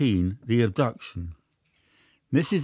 THE ABDUCTION. Mrs.